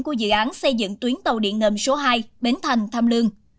của dự án xây dựng tuyến tàu điện ngầm số hai bến thành tham lương